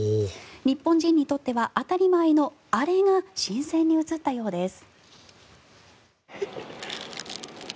日本人にとっては当たり前のあれが新鮮に映ったようです。